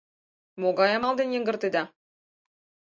Могай амал дене йыҥгыртеда?